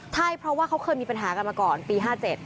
ใช่เพราะว่าเขาเคยมีปัญหากันมาก่อนปี๕๗